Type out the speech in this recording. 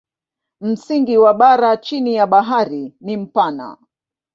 Msingi wa bara chini ya bahari ni mpana.